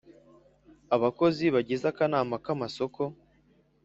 Abakozi bagize akanama kamasoko